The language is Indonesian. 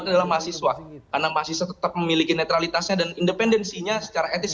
dua ribu dua puluh empat dalam mahasiswa karena masih tetap memiliki netralitasnya dan independensinya secara etis